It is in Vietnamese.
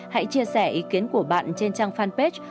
hãy chia sẻ ý kiến của bạn trên trang fanpage